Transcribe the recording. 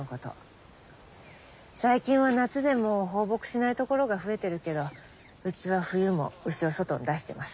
最近は夏でも放牧しないところが増えてるけどうちは冬も牛を外に出してます。